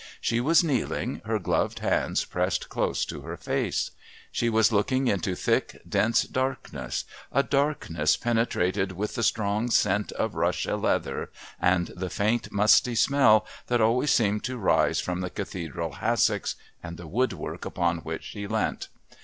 She was kneeling, her gloved hands pressed close to her face. She was looking into thick dense darkness, a darkness penetrated with the strong scent of Russia leather and the faint musty smell that always seemed to rise from the Cathedral hassocks and the woodwork upon which she leant.